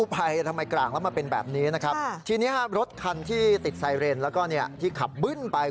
ปล่อยควันอะไรอย่างนี้เนอะ